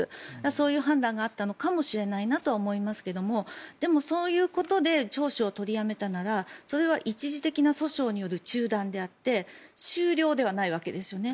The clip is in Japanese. そういう判断があったのかもしれないなとは思いますがでも、そういうことで聴取を取りやめたならそれは一時的な訴訟による中断であって終了ではないわけですよね。